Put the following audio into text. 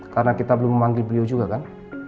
karena kita belum memanggil beliau juga kan